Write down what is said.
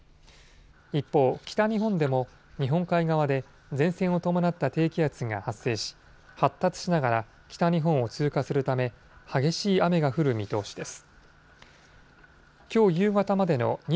一方、北日本でも日本海側で前線を伴った低気圧が発生し発達しながら北日本を通過するため激しい雨が降る見通しです。